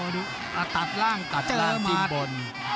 ดูตัดร่างตัดร่างจิ้มบน